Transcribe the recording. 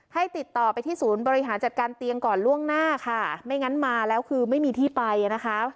ติดต่อไปที่ศูนย์บริหารจัดการเตียงก่อนล่วงหน้าค่ะไม่งั้นมาแล้วคือไม่มีที่ไปนะคะ